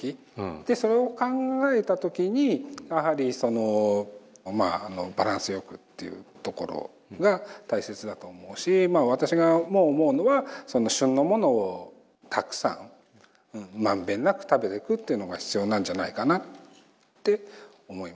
でそれを考えた時にやはりバランスよくっていうところが大切だと思うし私がもう思うのは旬のものをたくさん満遍なく食べてくっていうのが必要なんじゃないかなって思います。